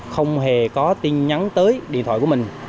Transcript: không hề có tin nhắn tới điện thoại của mình